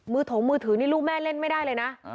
ถงมือถือนี่ลูกแม่เล่นไม่ได้เลยนะ